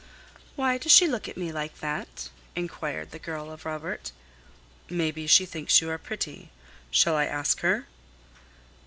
"Why does she look at me like that?" inquired the girl of Robert. "Maybe she thinks you are pretty. Shall I ask her?"